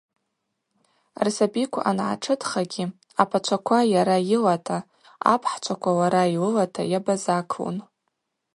Рсабиква ангӏатшытхагьи апачваква йара йылата, апхӏчваква лара йлылата йабазаклун.